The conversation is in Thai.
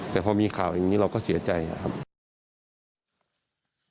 แต่พอมีข่าวอย่างนี้เราก็เสียใจอะครับ